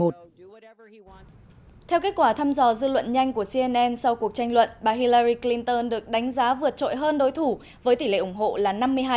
theo kết quả thăm dò dư luận nhanh của cnn sau cuộc tranh luận bà hillari clinton được đánh giá vượt trội hơn đối thủ với tỷ lệ ủng hộ là năm mươi hai